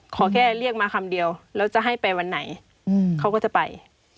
ขอแค่เรียกมาคำเดียวแล้วจะให้ไปวันไหนเขาก็จะไป